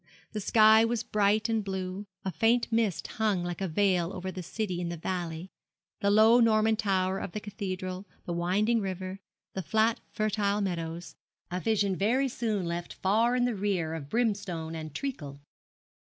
The sky was bright and blue, a faint mist hung like a veil over the city in the valley, the low Norman tower of the cathedral, the winding river, and flat fertile meadows a vision very soon left far in the rear of Brimstone and Treacle.